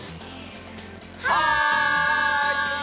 はい！